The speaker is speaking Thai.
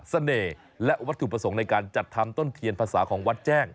เสน่ห์และวัตถุประสงค์ในการจัดทำต้นเทียนภาษาของวัดแจ้ง